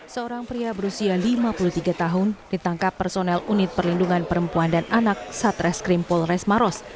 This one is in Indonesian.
seorang pria berusia lima puluh tiga tahun ditangkap personel unit perlindungan perempuan dan anak satreskrim polres maros